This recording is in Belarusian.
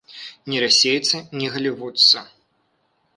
Ні расейцы, ні галівудцы.